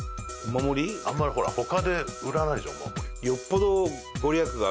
あんまりほら他で売らないじゃんお守り。